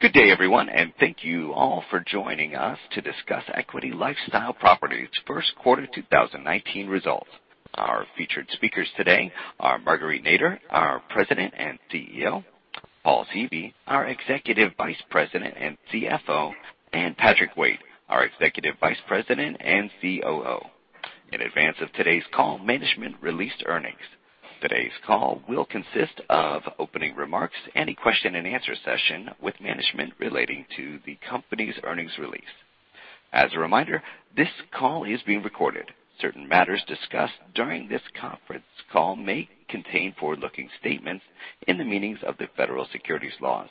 Good day, everyone. Thank you all for joining us to discuss Equity LifeStyle Properties first quarter 2019 results. Our featured speakers today are Marguerite Nader, our President and CEO, Paul Seavey, our Executive Vice President and CFO, and Patrick Waite, our Executive Vice President and COO. In advance of today's call, management released earnings. Today's call will consist of opening remarks and a question and answer session with management relating to the company's earnings release. As a reminder, this call is being recorded. Certain matters discussed during this conference call may contain forward-looking statements in the meanings of the federal securities laws.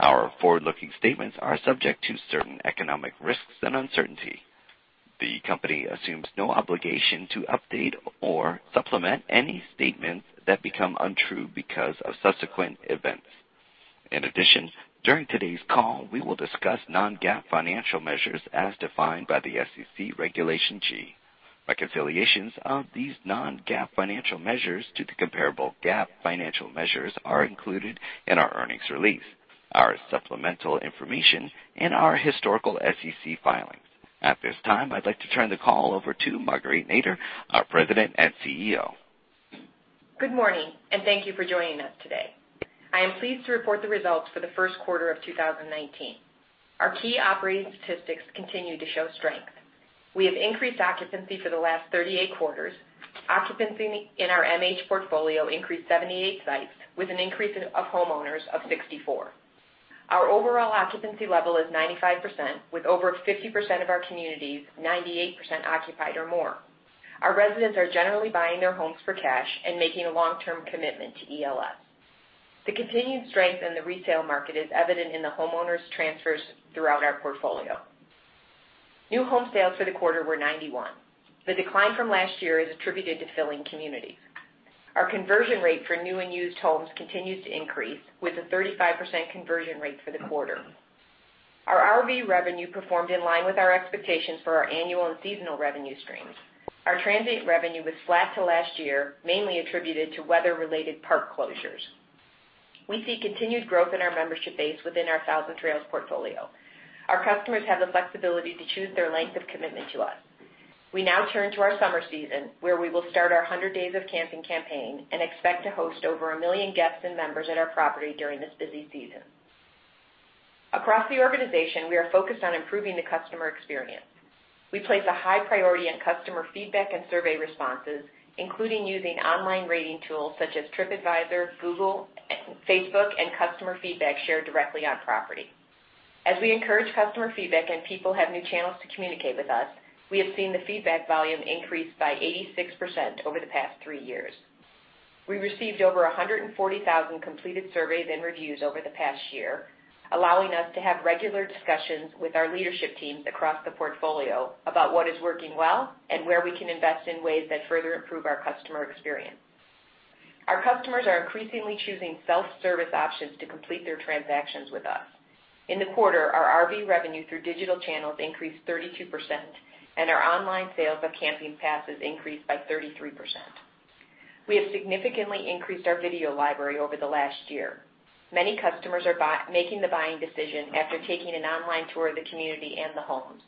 Our forward-looking statements are subject to certain economic risks and uncertainty. The company assumes no obligation to update or supplement any statements that become untrue because of subsequent events. During today's call, we will discuss non-GAAP financial measures as defined by the SEC Regulation G. Reconciliations of these non-GAAP financial measures to the comparable GAAP financial measures are included in our earnings release, our supplemental information, and our historical SEC filings. At this time, I'd like to turn the call over to Marguerite Nader, our President and CEO. Good morning. Thank you for joining us today. I am pleased to report the results for the first quarter of 2019. Our key operating statistics continue to show strength. We have increased occupancy for the last 38 quarters. Occupancy in our MH portfolio increased 78 sites, with an increase of homeowners of 64. Our overall occupancy level is 95%, with over 50% of our communities 98% occupied or more. Our residents are generally buying their homes for cash and making a long-term commitment to ELS. The continued strength in the resale market is evident in the homeowners transfers throughout our portfolio. New home sales for the quarter were 91. The decline from last year is attributed to filling communities. Our conversion rate for new and used homes continues to increase, with a 35% conversion rate for the quarter. Our RV revenue performed in line with our expectations for our annual and seasonal revenue streams. Our transient revenue was flat to last year, mainly attributed to weather-related park closures. We see continued growth in our membership base within our Thousand Trails portfolio. Our customers have the flexibility to choose their length of commitment to us. We now turn to our summer season, where we will start our 100 Days of Camping campaign and expect to host over a million guests and members at our property during this busy season. Across the organization, we are focused on improving the customer experience. We place a high priority on customer feedback and survey responses, including using online rating tools such as TripAdvisor, Google, Facebook, and customer feedback shared directly on property. As we encourage customer feedback and people have new channels to communicate with us, we have seen the feedback volume increase by 86% over the past three years. We received over 140,000 completed surveys and reviews over the past year, allowing us to have regular discussions with our leadership teams across the portfolio about what is working well and where we can invest in ways that further improve our customer experience. Our customers are increasingly choosing self-service options to complete their transactions with us. In the quarter, our RV revenue through digital channels increased 32%, and our online sales of camping passes increased by 33%. We have significantly increased our video library over the last year. Many customers are making the buying decision after taking an online tour of the community and the homes.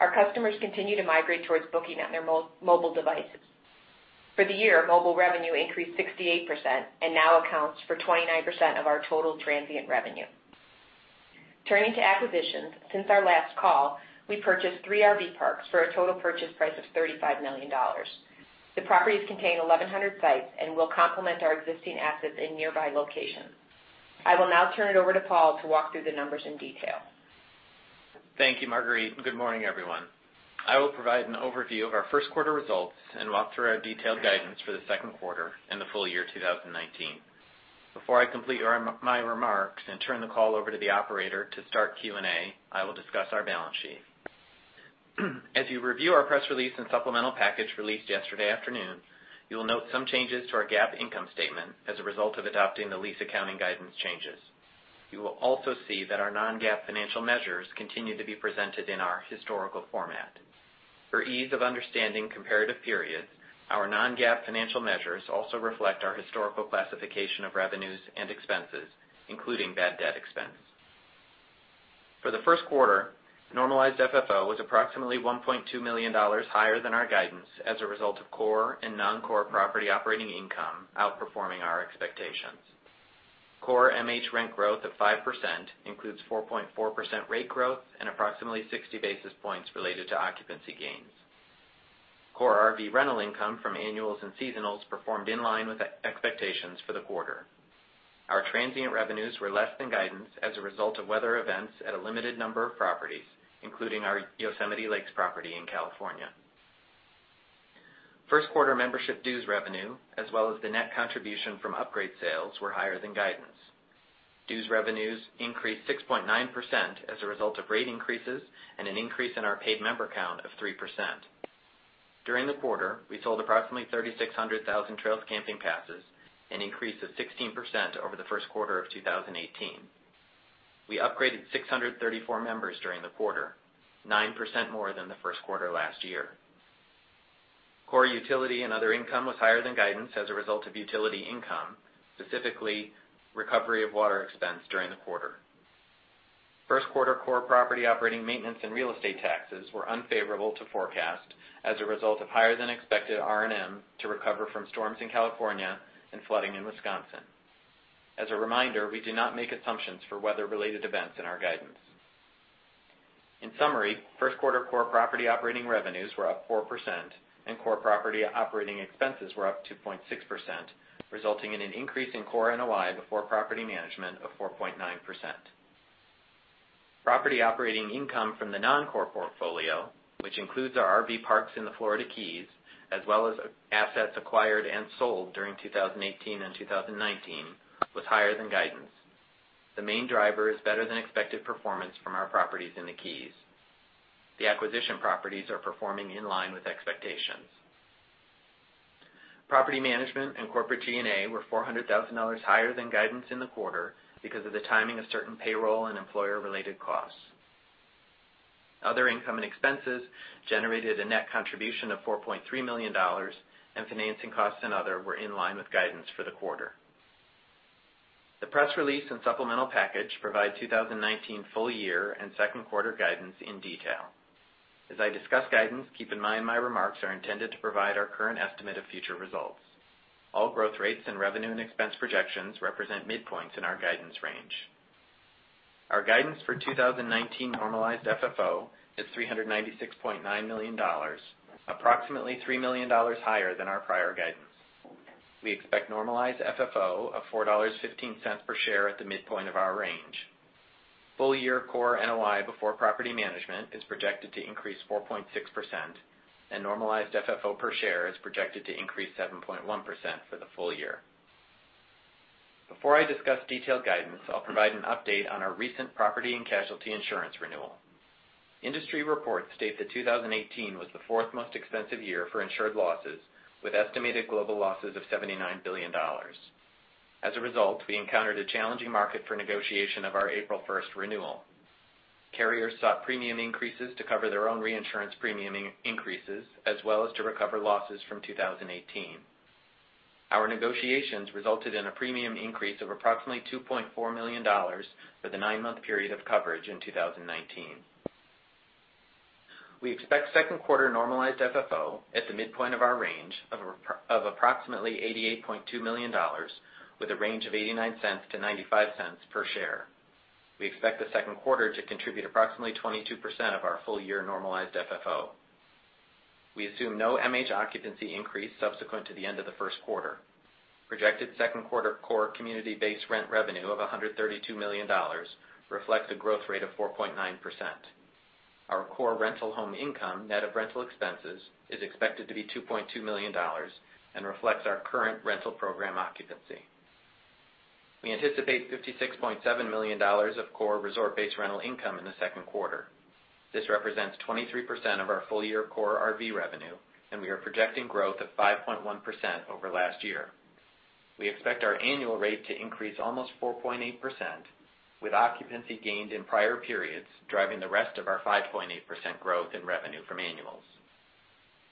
Our customers continue to migrate towards booking on their mobile devices. For the year, mobile revenue increased 68% and now accounts for 29% of our total transient revenue. Turning to acquisitions, since our last call, we purchased three RV parks for a total purchase price of $35 million. The properties contain 1,100 sites and will complement our existing assets in nearby locations. I will now turn it over to Paul to walk through the numbers in detail. Thank you, Marguerite, and good morning, everyone. I will provide an overview of our first quarter results and walk through our detailed guidance for the second quarter and the full year 2019. Before I complete my remarks and turn the call over to the operator to start Q&A, I will discuss our balance sheet. As you review our press release and supplemental package released yesterday afternoon, you will note some changes to our GAAP income statement as a result of adopting the lease accounting guidance changes. You will also see that our non-GAAP financial measures continue to be presented in our historical format. For ease of understanding comparative periods, our non-GAAP financial measures also reflect our historical classification of revenues and expenses, including bad debt expense. For the first quarter, normalized FFO was approximately $1.2 million higher than our guidance as a result of core and non-core property operating income outperforming our expectations. Core MH rent growth of 5% includes 4.4% rate growth and approximately 60 basis points related to occupancy gains. Core RV rental income from annuals and seasonals performed in line with expectations for the quarter. Our transient revenues were less than guidance as a result of weather events at a limited number of properties, including our Yosemite Lakes property in California. First quarter membership dues revenue, as well as the net contribution from upgrade sales, were higher than guidance. Dues revenues increased 6.9% as a result of rate increases and an increase in our paid member count of 3%. During the quarter, we sold approximately 3,600 Thousand Trails camping passes, an increase of 16% over the first quarter of 2018. We upgraded 634 members during the quarter, 9% more than the first quarter last year. Core utility and other income was higher than guidance as a result of utility income, specifically recovery of water expense during the quarter. First quarter core property operating maintenance and real estate taxes were unfavorable to forecast as a result of higher than expected R&M to recover from storms in California and flooding in Wisconsin. As a reminder, we do not make assumptions for weather-related events in our guidance. In summary, first quarter core property operating revenues were up 4% and core property operating expenses were up 2.6%, resulting in an increase in core NOI before property management of 4.9%. Property operating income from the non-core portfolio, which includes our RV parks in the Florida Keys, as well as assets acquired and sold during 2018 and 2019, was higher than guidance. The main driver is better than expected performance from our properties in the Keys. The acquisition properties are performing in line with expectations. Property management and corporate G&A were $400,000 higher than guidance in the quarter because of the timing of certain payroll and employer-related costs. Other income and expenses generated a net contribution of $4.3 million and financing costs and other were in line with guidance for the quarter. The press release and supplemental package provide 2019 full year and second quarter guidance in detail. As I discuss guidance, keep in mind my remarks are intended to provide our current estimate of future results. All growth rates and revenue and expense projections represent midpoints in our guidance range. Our guidance for 2019 normalized FFO is $396.9 million, approximately $3 million higher than our prior guidance. We expect normalized FFO of $4.15 per share at the midpoint of our range. Full-year core NOI before property management is projected to increase 4.6% and normalized FFO per share is projected to increase 7.1% for the full year. Before I discuss detailed guidance, I'll provide an update on our recent property and casualty insurance renewal. Industry reports state that 2018 was the fourth most expensive year for insured losses, with estimated global losses of $79 billion. As a result, we encountered a challenging market for negotiation of our April 1st renewal. Carriers sought premium increases to cover their own reinsurance premium increases, as well as to recover losses from 2018. Our negotiations resulted in a premium increase of approximately $2.4 million for the nine-month period of coverage in 2019. We expect second quarter normalized FFO at the midpoint of our range of approximately $88.2 million, with a range of $0.89-$0.95 per share. We expect the second quarter to contribute approximately 22% of our full-year normalized FFO. We assume no MH occupancy increase subsequent to the end of the first quarter. Projected second quarter core community-based rent revenue of $132 million reflects a growth rate of 4.9%. Our core rental home income, net of rental expenses, is expected to be $2.2 million and reflects our current rental program occupancy. We anticipate $56.7 million of core resort-based rental income in the second quarter. This represents 23% of our full-year core RV revenue, and we are projecting growth of 5.1% over last year. We expect our annual rate to increase almost 4.8%, with occupancy gained in prior periods, driving the rest of our 5.8% growth in revenue from annuals.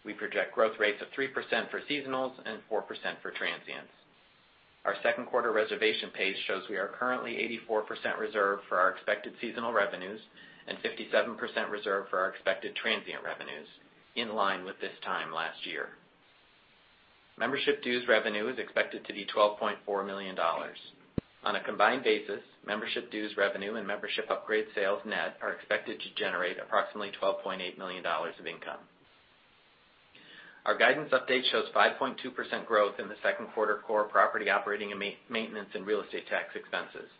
We project growth rates of 3% for seasonals and 4% for transients. Our second quarter reservation pace shows we are currently 84% reserved for our expected seasonal revenues and 57% reserved for our expected transient revenues, in line with this time last year. Membership dues revenue is expected to be $12.4 million. On a combined basis, membership dues revenue and membership upgrade sales net are expected to generate approximately $12.8 million of income. Our guidance update shows 5.2% growth in the second quarter core property operating and maintenance and real estate tax expenses.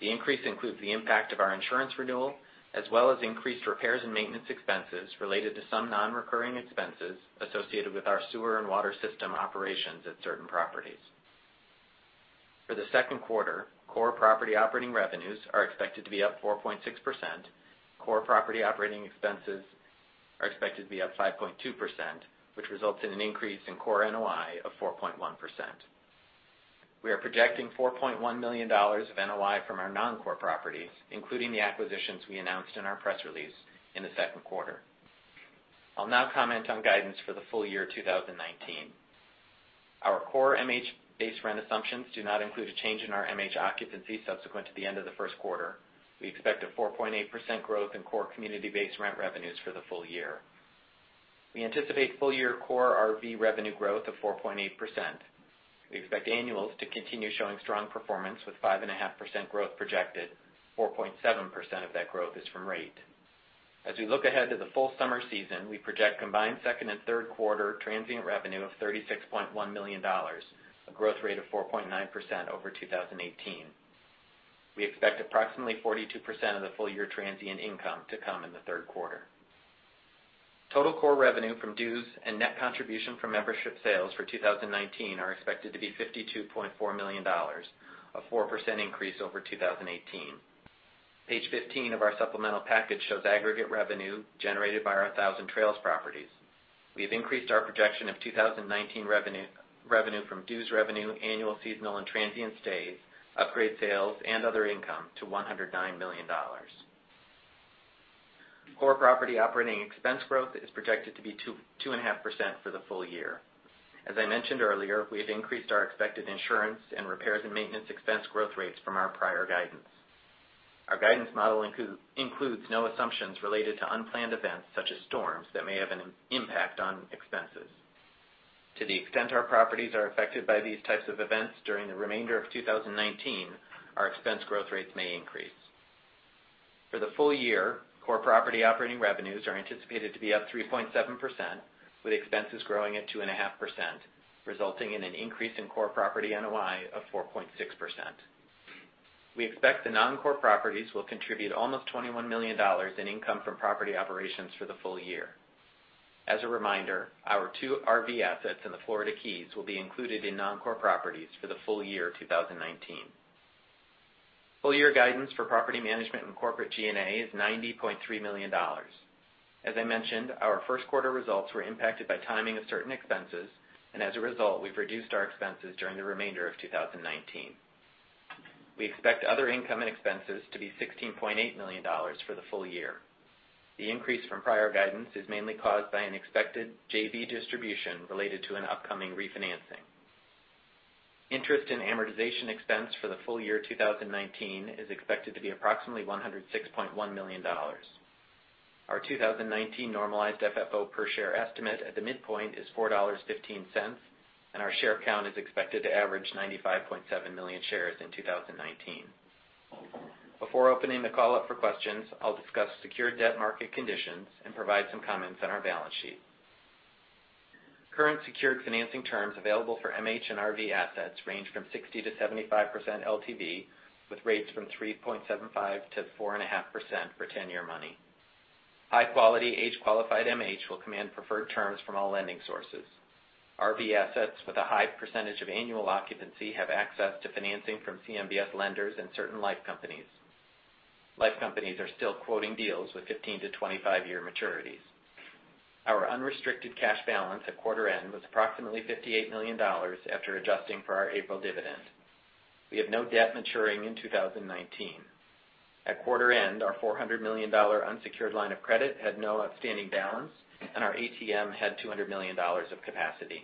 The increase includes the impact of our insurance renewal, as well as increased repairs and maintenance expenses related to some non-recurring expenses associated with our sewer and water system operations at certain properties. For the second quarter, core property operating revenues are expected to be up 4.6%. Core property operating expenses are expected to be up 5.2%, which results in an increase in core NOI of 4.1%. We are projecting $4.1 million of NOI from our non-core properties, including the acquisitions we announced in our press release in the second quarter. I'll now comment on guidance for the full year 2019. Our core MH-based rent assumptions do not include a change in our MH occupancy subsequent to the end of the first quarter. We expect a 4.8% growth in core community-based rent revenues for the full year. We anticipate full-year core RV revenue growth of 4.8%. We expect annuals to continue showing strong performance with 5.5% growth projected, 4.7% of that growth is from rate. As we look ahead to the full summer season, we project combined second and third quarter transient revenue of $36.1 million, a growth rate of 4.9% over 2018. We expect approximately 42% of the full-year transient income to come in the third quarter. Total core revenue from dues and net contribution from membership sales for 2019 are expected to be $52.4 million, a 4% increase over 2018. Page 15 of our supplemental package shows aggregate revenue generated by our Thousand Trails properties. We have increased our projection of 2019 revenue from dues revenue, annual, seasonal, and transient stays, upgrade sales, and other income to $109 million. Core property operating expense growth is projected to be 2.5% for the full year. As I mentioned earlier, we have increased our expected insurance and repairs and maintenance expense growth rates from our prior guidance. Our guidance model includes no assumptions related to unplanned events such as storms that may have an impact on expenses. To the extent our properties are affected by these types of events during the remainder of 2019, our expense growth rates may increase. For the full year, core property operating revenues are anticipated to be up 3.7%, with expenses growing at 2.5%, resulting in an increase in core property NOI of 4.6%. We expect the non-core properties will contribute almost $21 million in income from property operations for the full year. As a reminder, our two RV assets in the Florida Keys will be included in non-core properties for the full year 2019. Full year guidance for property management and corporate G&A is $90.3 million. As I mentioned, our first quarter results were impacted by timing of certain expenses. As a result, we've reduced our expenses during the remainder of 2019. We expect other income and expenses to be $16.8 million for the full year. The increase from prior guidance is mainly caused by an expected JV distribution related to an upcoming refinancing. Interest and amortization expense for the full year 2019 is expected to be approximately $106.1 million. Our 2019 normalized FFO per share estimate at the midpoint is $4.15, and our share count is expected to average 95.7 million shares in 2019. Before opening the call up for questions, I'll discuss secured debt market conditions and provide some comments on our balance sheet. Current secured financing terms available for MH and RV assets range from 60%-75% LTV, with rates from 3.75%-4.5% for 10-year money. High-quality, age-qualified MH will command preferred terms from all lending sources. RV assets with a high percentage of annual occupancy have access to financing from CMBS lenders and certain life companies. Life companies are still quoting deals with 15- to 25-year maturities. Our unrestricted cash balance at quarter end was approximately $58 million after adjusting for our April dividend. We have no debt maturing in 2019. At quarter end, our $400 million unsecured line of credit had no outstanding balance, and our ATM had $200 million of capacity.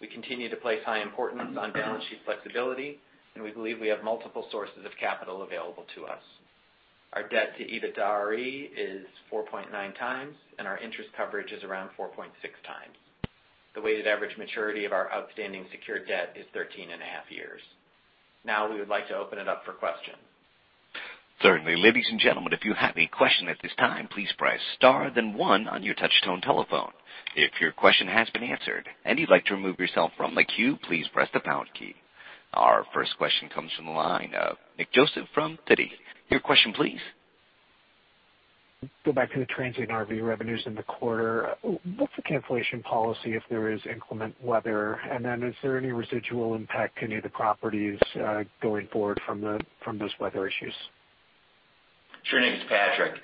We continue to place high importance on balance sheet flexibility, and we believe we have multiple sources of capital available to us. Our debt to EBITDARE is 4.9 times, and our interest coverage is around 4.6 times. The weighted average maturity of our outstanding secured debt is 13.5 years. Now we would like to open it up for questions. Certainly. Ladies and gentlemen, if you have a question at this time, please press star then one on your touchtone telephone. If your question has been answered and you'd like to remove yourself from the queue, please press the pound key. Our first question comes from the line of Nick Joseph from Citi. Your question please. Go back to the transient RV revenues in the quarter. What's the cancellation policy if there is inclement weather? Is there any residual impact to any of the properties, going forward from those weather issues? Sure. Nick, it's Patrick.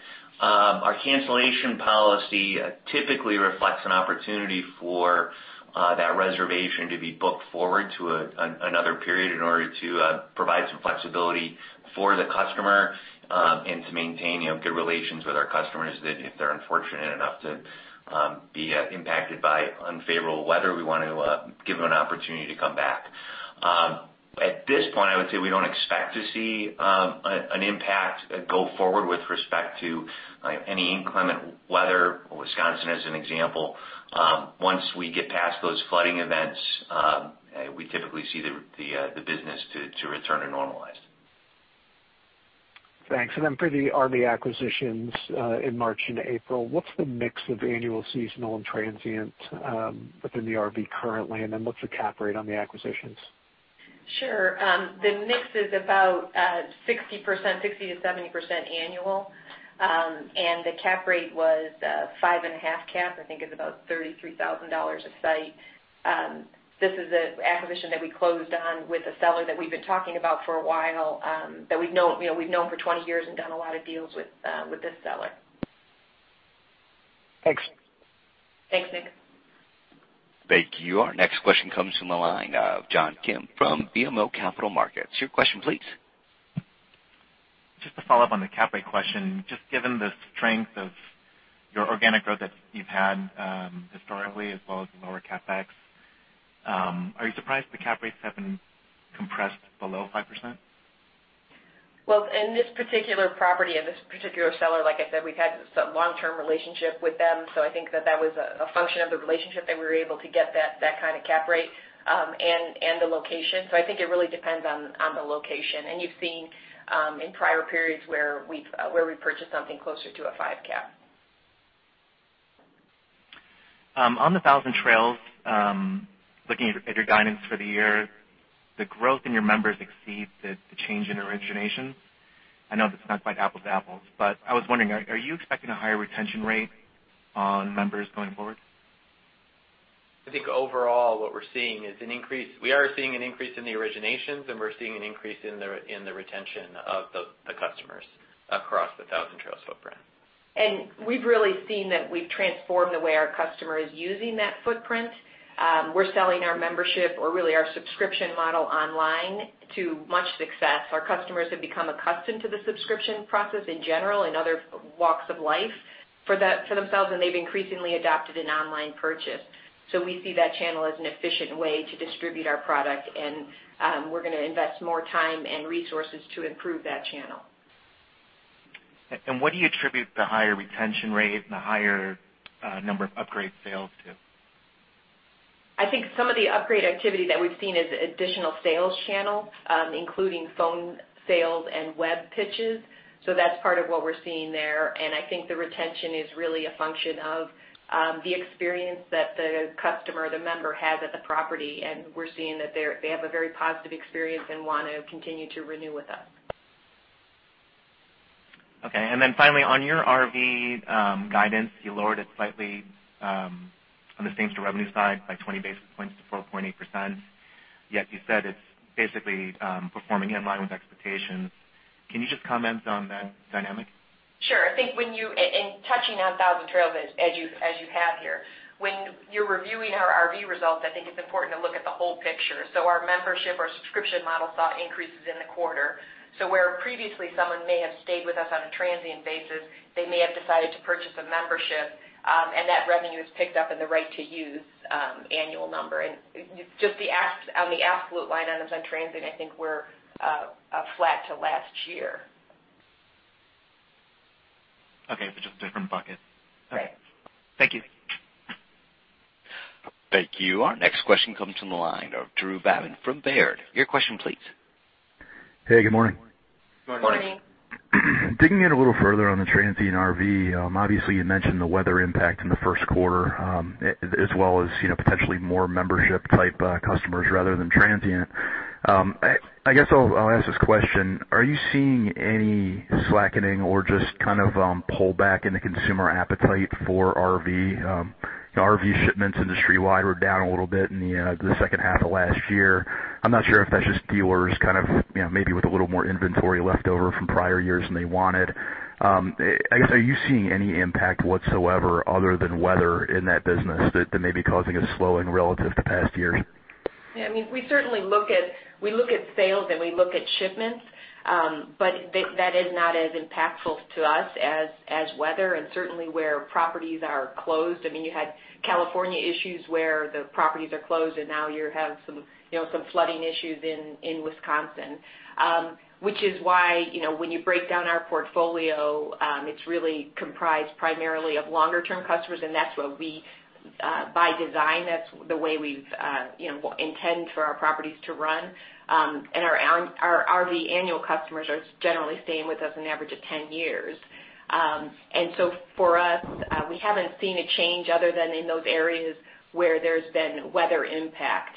Our cancellation policy typically reflects an opportunity for that reservation to be booked forward to another period in order to provide some flexibility for the customer, and to maintain good relations with our customers, that if they're unfortunate enough to be impacted by unfavorable weather, we want to give them an opportunity to come back. At this point, I would say we don't expect to see an impact go forward with respect to any inclement weather. Wisconsin, as an example. Once we get past those flooding events, we typically see the business to return to normalized. Thanks. Then for the RV acquisitions, in March and April, what's the mix of annual, seasonal, and transient, within the RV currently? Then what's the cap rate on the acquisitions? Sure. The mix is about 60%-70% annual. The cap rate was 5.5 cap. I think it's about $33,000 a site. This is an acquisition that we closed on with a seller that we've been talking about for a while, that we've known for 20 years and done a lot of deals with this seller. Thanks. Thanks, Nick. Thank you. Our next question comes from the line of John Kim from BMO Capital Markets. Your question please. Just to follow up on the cap rate question, just given the strength of your organic growth that you've had historically, as well as the lower CapEx, are you surprised the cap rates have been compressed below 5%? Well, in this particular property and this particular seller, like I said, we've had some long-term relationship with them, I think that that was a function of the relationship that we were able to get that kind of cap rate, and the location. I think it really depends on the location. You've seen, in prior periods where we've purchased something closer to a five cap. On the Thousand Trails, looking at your guidance for the year, the growth in your members exceeds the change in originations. I know this is not quite apples to apples, I was wondering, are you expecting a higher retention rate on members going forward? I think overall what we're seeing is an increase. We are seeing an increase in the originations. We're seeing an increase in the retention of the customers across the Thousand Trails footprint. We've really seen that we've transformed the way our customer is using that footprint. We're selling our membership or really our subscription model online to much success. Our customers have become accustomed to the subscription process in general in other walks of life for themselves. They've increasingly adopted an online purchase. We see that channel as an efficient way to distribute our product and we're going to invest more time and resources to improve that channel. What do you attribute the higher retention rate and the higher number of upgrade sales to? I think some of the upgrade activity that we've seen is additional sales channels, including phone sales and web pitches. That's part of what we're seeing there. I think the retention is really a function of the experience that the customer, the member, has at the property. We're seeing that they have a very positive experience and want to continue to renew with us. Finally, on your RV guidance, you lowered it slightly on the same-store revenue side, like 20 basis points to 4.8%, yet you said it's basically performing in line with expectations. Can you just comment on that dynamic? Sure. I think touching on Thousand Trails as you have here, when you're reviewing our RV results, I think it's important to look at the whole picture. Our membership, our subscription model, saw increases in the quarter. Where previously someone may have stayed with us on a transient basis, they may have decided to purchase a membership, and that revenue is picked up in the right to use annual number. Just on the absolute line items on transient, I think we're flat to last year. Okay. Just a different bucket. Right. Okay. Thank you. Thank you. Our next question comes from the line of Drew Babin from Baird. Your question, please. Hey, good morning. Morning. Morning. Digging in a little further on the transient RV, obviously you mentioned the weather impact in the first quarter, as well as potentially more membership-type customers rather than transient. I guess I'll ask this question. Are you seeing any slackening or just kind of pullback in the consumer appetite for RV? RV shipments industry-wide were down a little bit in the second half of last year. I'm not sure if that's just dealers kind of maybe with a little more inventory left over from prior years than they wanted. I guess, are you seeing any impact whatsoever other than weather in that business that may be causing a slowing relative to past years? Yeah, we certainly look at sales, and we look at shipments, but that is not as impactful to us as weather and certainly where properties are closed. You had California issues where the properties are closed, and now you have some flooding issues in Wisconsin, which is why, when you break down our portfolio, it's really comprised primarily of longer-term customers, and that's what we, by design, that's the way we intend for our properties to run. Our RV annual customers are generally staying with us an average of 10 years. For us, we haven't seen a change other than in those areas where there's been weather impact.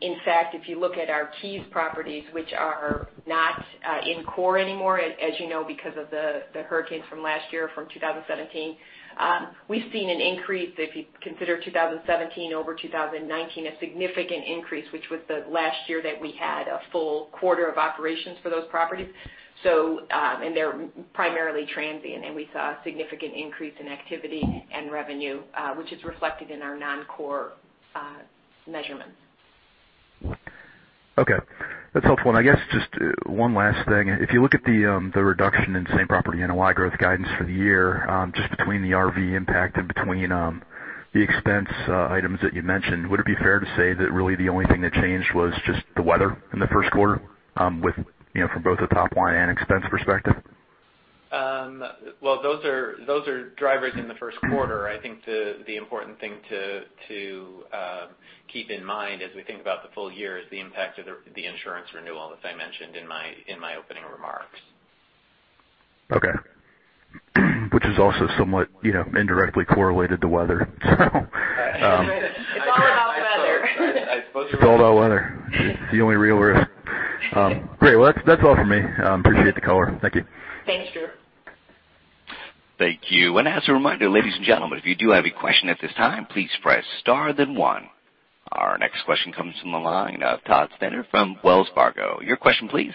In fact, if you look at our Keys properties, which are not in Core anymore, as you know, because of the hurricanes from last year, from 2017, we've seen an increase, if you consider 2017 over 2019, a significant increase, which was the last year that we had a full quarter of operations for those properties. They're primarily transient, and we saw a significant increase in activity and revenue, which is reflected in our non-core measurements. Okay. That's helpful. I guess just one last thing. If you look at the reduction in same-property NOI growth guidance for the year, just between the RV impact and between the expense items that you mentioned, would it be fair to say that really the only thing that changed was just the weather in the first quarter from both the top line and expense perspective? Well, those are drivers in the first quarter. I think the important thing to keep in mind as we think about the full year is the impact of the insurance renewal, as I mentioned in my opening remarks. Okay. Which is also somewhat indirectly correlated to weather. It's all about weather. It's all about weather. It's the only real risk. Great. Well, that's all for me. Appreciate the color. Thank you. Thanks, Drew. Thank you. As a reminder, ladies and gentlemen, if you do have a question at this time, please press star then one. Our next question comes from the line of Todd Stender from Wells Fargo. Your question, please.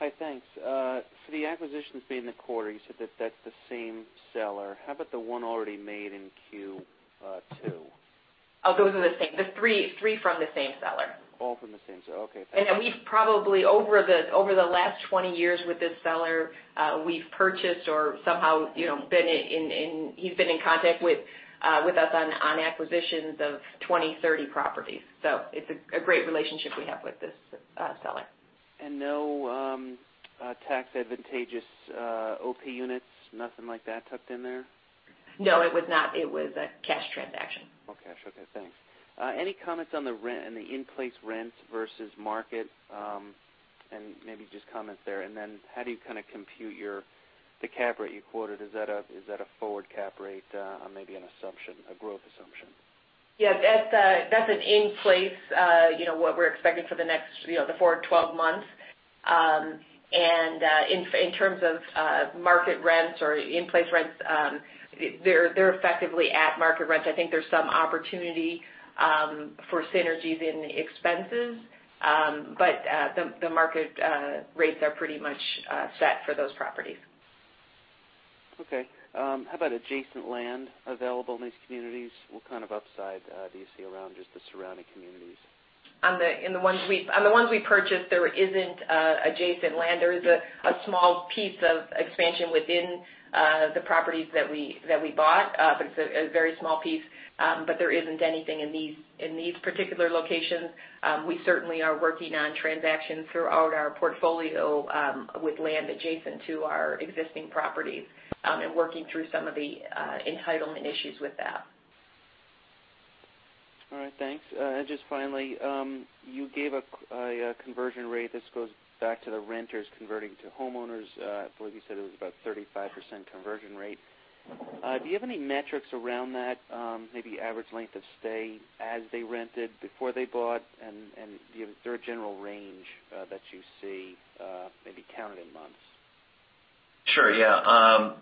Hi, thanks. For the acquisitions made in the quarter, you said that that's the same seller. How about the one already made in Q2? Oh, those are the same. The three from the same seller. All from the same seller. Okay. We've probably, over the last 20 years with this seller, we've purchased or somehow he's been in contact with us on acquisitions of 20, 30 properties. It's a great relationship we have with this seller. No tax advantageous OP units, nothing like that tucked in there? No, it was not. It was a cash transaction. All cash. Okay, thanks. Any comments on the rent and the in-place rents versus market? Maybe just comments there. Then how do you kind of compute the cap rate you quoted? Is that a forward cap rate or maybe a growth assumption? Yeah, that's an in-place, what we're expecting for the forward 12 months. In terms of market rents or in-place rents, they're effectively at market rents. I think there's some opportunity for synergies in expenses. The market rates are pretty much set for those properties. How about adjacent land available in these communities? What kind of upside do you see around just the surrounding communities? On the ones we purchased, there isn't adjacent land. There is a small piece of expansion within the properties that we bought, but it's a very small piece, but there isn't anything in these particular locations. We certainly are working on transactions throughout our portfolio, with land adjacent to our existing properties, and working through some of the entitlement issues with that. All right. Thanks. Just finally, you gave a conversion rate. This goes back to the renters converting to homeowners. I believe you said it was about 35% conversion rate. Do you have any metrics around that, maybe average length of stay as they rented before they bought? Do you have a general range that you see, maybe counted in months? Sure. Yeah.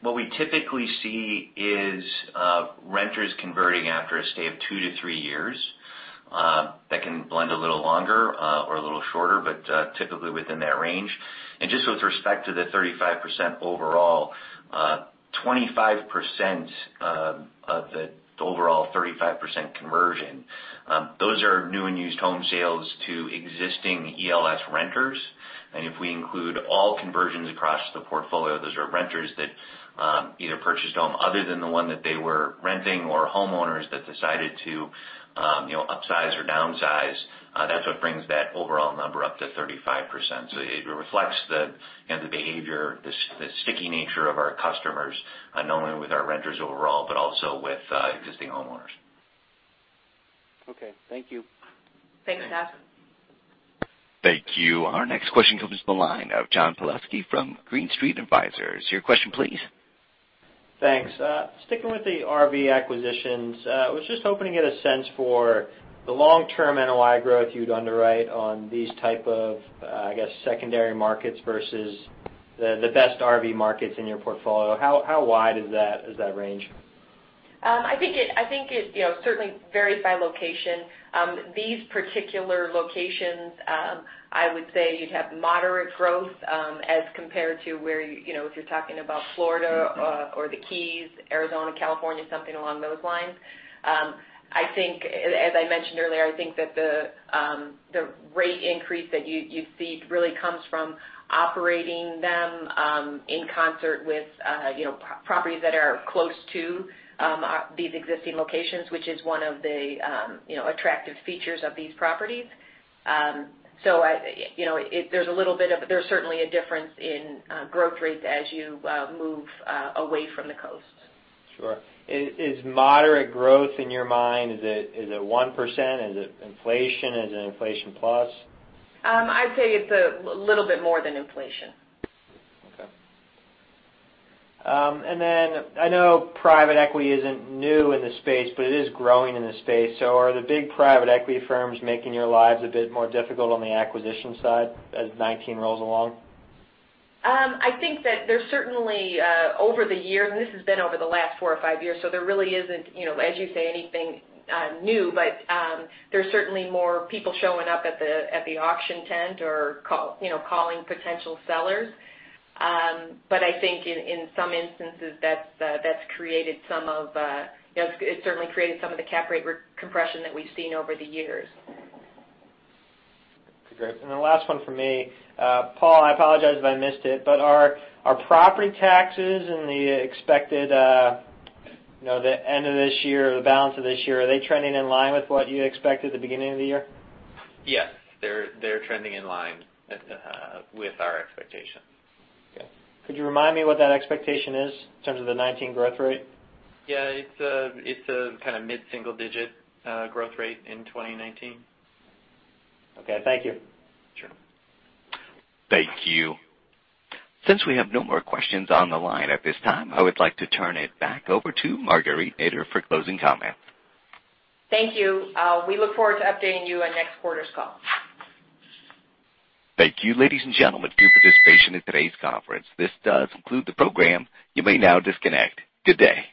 What we typically see is renters converting after a stay of two to three years. That can blend a little longer or a little shorter, but typically within that range. Just with respect to the 35% overall, 25% of the overall 35% conversion, those are new and used home sales to existing ELS renters. If we include all conversions across the portfolio, those are renters that either purchased a home other than the one that they were renting or homeowners that decided to upsize or downsize. That's what brings that overall number up to 35%. It reflects the behavior, the sticky nature of our customers, not only with our renters overall, but also with existing homeowners. Okay. Thank you. Thanks, Todd. Thank you. Our next question comes from the line of John Pawlowski from Green Street Advisors. Your question, please. Thanks. Sticking with the RV acquisitions, I was just hoping to get a sense for the long-term NOI growth you'd underwrite on these type of, I guess, secondary markets versus the best RV markets in your portfolio. How wide is that range? I think it certainly varies by location. These particular locations, I would say you'd have moderate growth, as compared to if you're talking about Florida or the Keys, Arizona, California, something along those lines. As I mentioned earlier, I think that the rate increase that you see really comes from operating them in concert with properties that are close to these existing locations, which is one of the attractive features of these properties. There's certainly a difference in growth rates as you move away from the coast. Sure. Is moderate growth in your mind, is it 1%? Is it inflation? Is it inflation plus? I'd say it's a little bit more than inflation. Okay. I know private equity isn't new in the space, but it is growing in the space. Are the big private equity firms making your lives a bit more difficult on the acquisition side as 2019 rolls along? I think that there's certainly over the years, and this has been over the last four or five years, there really isn't, as you say, anything new. There's certainly more people showing up at the auction tent or calling potential sellers. I think in some instances, it certainly created some of the cap rate compression that we've seen over the years. Great. The last one from me. Paul, I apologize if I missed it, are property taxes and the expected end of this year or the balance of this year, are they trending in line with what you expected at the beginning of the year? Yes. They're trending in line with our expectations. Okay. Could you remind me what that expectation is in terms of the 2019 growth rate? Yeah. It's a kind of mid-single digit growth rate in 2019. Okay. Thank you. Sure. Thank you. Since we have no more questions on the line at this time, I would like to turn it back over to Marguerite Nader for closing comments. Thank you. We look forward to updating you on next quarter's call. Thank you, ladies and gentlemen, for your participation in today's conference. This does conclude the program. You may now disconnect. Good day.